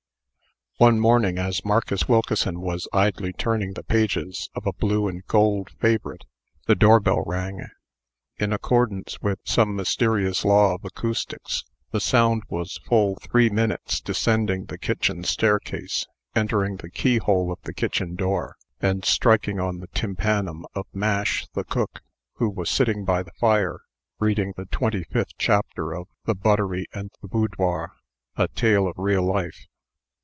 One morning, as Marcus Wilkeson was idly turning the pages of a blue and gold favorite, the doorbell rang. In accordance with some mysterious law of acoustics, the sound was full three minutes descending the kitchen staircase, entering the keyhole of the kitchen door, and striking on the tympanum of Mash, the cook, who was sitting by the fire, reading the twenty fifth chapter of "The Buttery and the Boudoir: A Tale of Real Life."